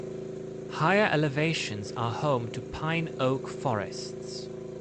Higher elevations are home to pine–oak forests.